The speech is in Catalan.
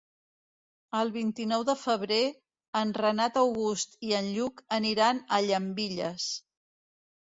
El vint-i-nou de febrer en Renat August i en Lluc aniran a Llambilles.